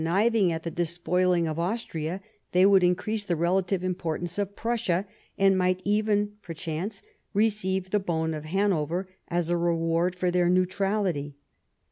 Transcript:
11 niving at the despoiling of Austria, they would increase the relative importance of Prussia, and might even, per chance, receive the bone of Hanover as a reward for their neutrality.